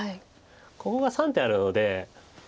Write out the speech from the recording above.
ここが３手あるので。